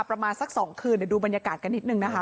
ประมาณสัก๒คืนเดี๋ยวดูบรรยากาศกันนิดนึงนะคะ